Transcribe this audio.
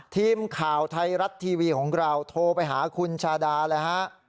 ทีมข่าวไทยรัฐทีวีของเราโทรไปหาคุณชาดาเลยฮะ